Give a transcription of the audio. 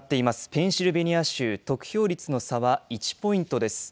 ペンシルベニア州、得票率の差は１ポイントです。